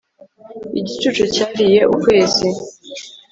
Igicucu cyariye ukwezi